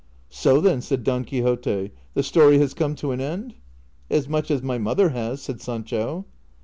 " So, then," said Don Quixote, " the story has come to an end ?"" As much as my mother has," said Sancho.